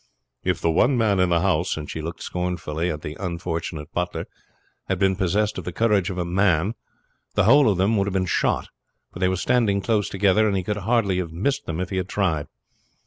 If the one man in the house," and she looked scornfully at the unfortunate butler, "had been possessed of the courage of a man the whole of them would have been shot; for they were standing close together, and he could hardly have missed them if he had tried.